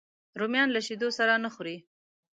رومیان له شیدو سره نه خوري